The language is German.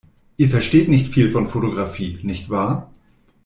Ihr versteht nicht viel von Fotografie, nicht wahr?